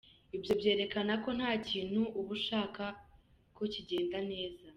Ibyo byerekana ko nta kintu uba ushaka ko kigenda neza.